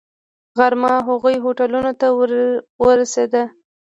غرمه هغو هوټلونو ته ورسېدو.